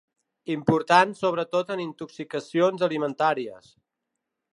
Importants sobretot en intoxicacions alimentàries.